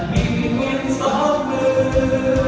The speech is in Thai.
แฟนมีเงียนสองมือ